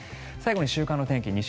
最後に週間天気